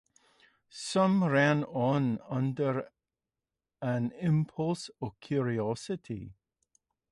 Some ran on, under an impulse of curiosity.